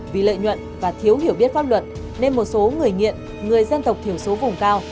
vì lợi nhuận và thiếu hiểu biết pháp luật nên một số người nghiện người dân tộc thiểu số vùng cao